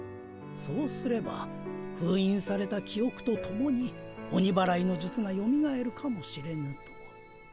そうすればふういんされた記おくとともに鬼祓いのじゅつがよみがえるかもしれぬと。